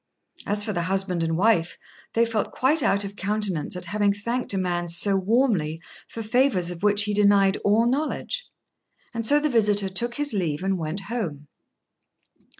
As for the husband and wife, they felt quite out of countenance at having thanked a man so warmly for favours of which he denied all knowledge; and so the visitor took his leave, and went home.